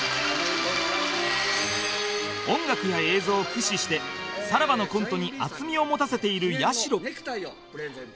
音楽や映像を駆使してさらばのコントに厚みを持たせているやしろ